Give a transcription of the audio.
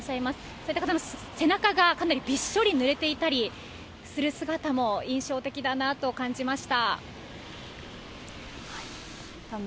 そういった方の背中がかなりびっしょりぬれていたりする姿も印象的だなと感じました。